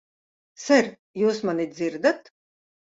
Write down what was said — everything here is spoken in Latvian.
Ser, jūs mani dzirdat?